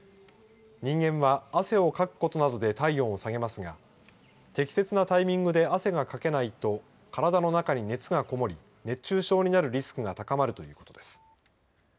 人間は汗をかくことなどで体温を下げますが適切なタイミングで汗がかけないと体の中に熱がこもり熱中症になるリスクが高まるということです。